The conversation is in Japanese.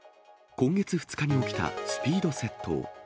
今月２日に起きたスピード窃盗。